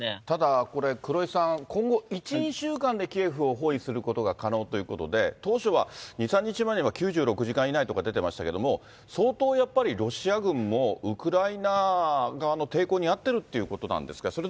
ただこれ、黒井さん、今後、１、２週間でキエフを包囲することが可能ということで、当初は２、３日前には９６時間以内とか出てましたけども、相当やっぱり、ロシア軍もウクライナ側の抵抗に遭ってるっていうことなんですか？